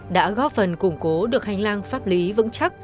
đã góp phần củng cố được hành lang pháp lý vững chắc